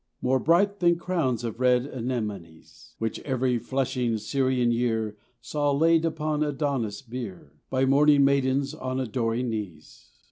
More bright than crowns of red anemones, Which every flushing Syrian year Saw laid upon Adonis' bier By mourning maidens on adoring knees.